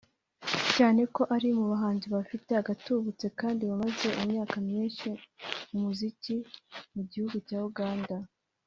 cyane ko ari mu bahanzi bafite agatubutse kandi bamaze imyaka myinshi mu muziki mu gihugu cya Uganda